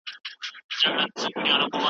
زه هڅه کوم د ورځې په اوږدو کې تازه سنکس وخورم.